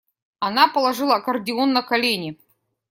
Она положила аккордеон на колени